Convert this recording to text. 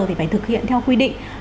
thì phải thực hiện theo quy định